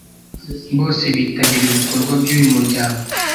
bose bitabira ibikorwa by’uyu muryango